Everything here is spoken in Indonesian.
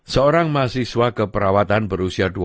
seorang mahasiswa keperawatan berusia